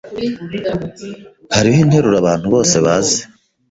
Hariho interuro abantu bose bazi.